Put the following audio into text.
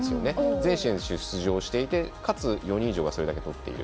全選手出場していてかつ４人以上がそれだけ取っている。